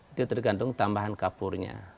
itu tergantung tambahan kapurnya